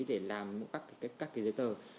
để làm các giấy tờ